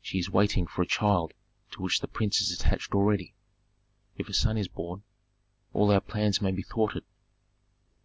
"She is waiting for a child to which the prince is attached already. If a son is born, all our plans may be thwarted."